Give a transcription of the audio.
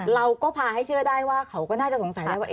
เราก็พาให้เชื่อได้ว่าเขาก็น่าจะสงสัยได้ว่า